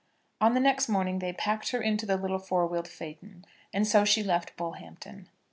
On the next morning they packed her into the little four wheeled phaeton, and so she left Bullhampton.